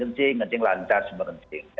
kencing kencing lancar semua kencing